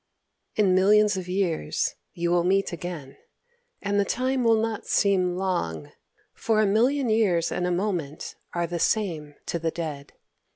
"In millions of years you will meet again; and the time will not seem long; for a million years and a moment are the same to the dead.